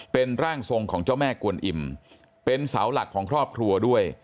เป็นร่างทรงของเจ้าแม่กวนอิ่มเป็นเสาหลักของครอบครัวด้วย